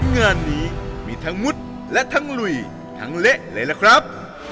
งานนี้มีทั้งมุดและทั้งลุยทั้งเละเลยล่ะครับ